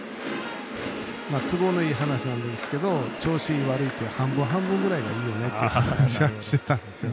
都合のいい話なんですけど調子いい、悪いという半分半分ぐらいがいいよねという話をしてたんですよね。